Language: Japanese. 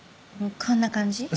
こんな感じ？